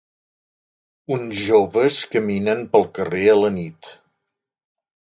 Uns joves caminen pel carrer a la nit.